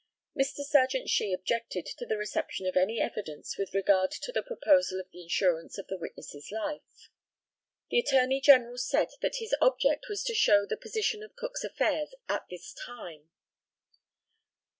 Mr. Serjeant SHEE objected to the reception of any evidence with regard to the proposal of the insurance of the witness's life. The ATTORNEY GENERAL said that his object was to show the position of Cook's affairs at this time.